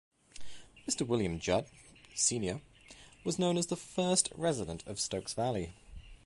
Mr. William Judd, Senior was known as the first resident of Stokes Valley.